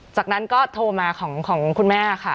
จากนั้นก็โทรมาของคุณแม่ค่ะ